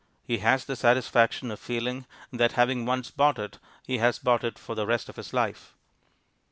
He has the satisfaction of feeling that, having once bought it, he has bought it for the rest of his life.